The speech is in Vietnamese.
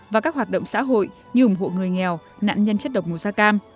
và các hoạt động xã hội như ủng hộ người nghèo nạn nhân chất độc mùa da cam